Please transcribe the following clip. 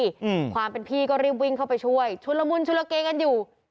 อืมความเป็นพี่ก็รีบวิ่งเข้าไปช่วยชุนละมุนชุลเกกันอยู่